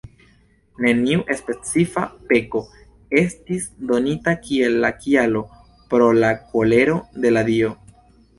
Neniu specifa peko estis donita kiel la kialo pro la kolero de la dio.